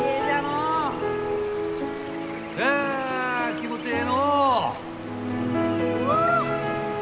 あ気持ちええのう！